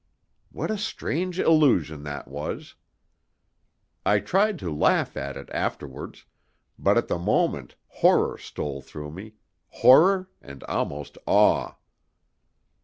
What a strange illusion that was! I tried to laugh at it afterwards, but at the moment horror stole through me horror, and almost awe.